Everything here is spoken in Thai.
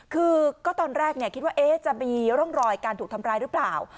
คือก็ตอนแรกคิดว่าจะมีร่องรอยการถูกทำร้ายหรือเปล่า